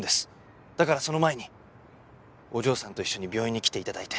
だからその前にお嬢さんと一緒に病院に来て頂いて。